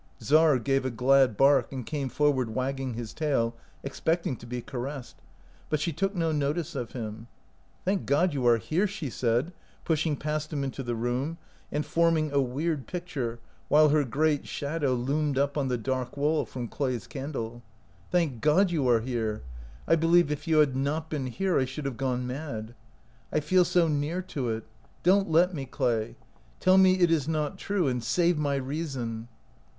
Czar gave a glad bark and came forward wagging his tail, expecting to be caressed, but she took no notice of him. "Thank God, you are here!" she said, pushing past him into the room, and form ing a weird picture, while her great shadow i55 OUT OF BOHEMIA loomed up on the dark wall from Clay's candle. " Thank God, you are here! , I be lieve if you had not been here I should have gone mad. I feel so near to it. Don't let me, Clay. Tell me it is not true, and save my reason."